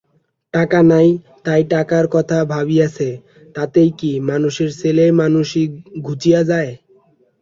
টাকা নাই তাই টাকার কথা ভাবিয়াছে, তাতেই কি মানুষের ছেলেমানুষি ঘুচিয়া যায়?